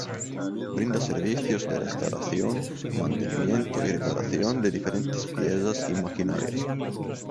Brinda servicios de restauración, mantenimiento y reparación de diferentes piezas y maquinarias.